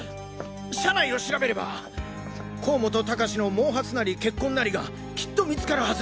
車内を調べれば甲本高士の毛髪なり血痕なりがきっと見つかるはず！